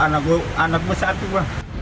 anak gue satu pak